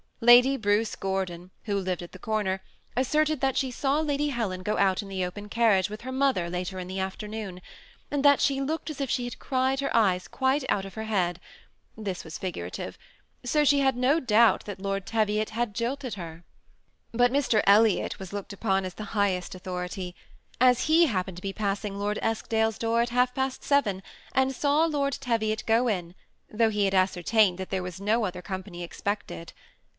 Lady Bruce Gordon, who lived at the comer, asserted that she saw Lady Helen go out in the open carriage with her mother later in the afternoon, and that she looked as if she had cried her eyes quite out of her head (this was figurative) ; so she had no doubt, that Lord Teviot had jilted her. But Mr. Elliot was looked upon as the highest authority, as he happened to be passing Lord Eskdale's door at half past seven, and saw Lord Teviot go in, though he had ascertained that there was no other company expected.